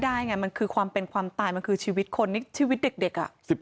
ได้ไงมันคือความเป็นความตายมันคือชีวิตคนนี่ชีวิตเด็กอ่ะ